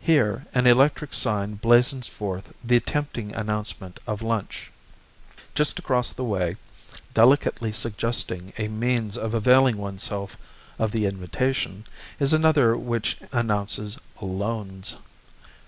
Here an electric sign blazons forth the tempting announcement of lunch. Just across the way, delicately suggesting a means of availing one's self of the invitation, is another which announces "Loans."